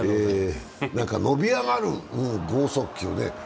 伸び上がる剛速球で。